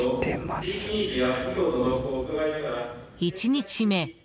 １日目